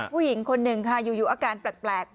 ผู้หญิงคนหนึ่งค่ะอยู่อาการแปลก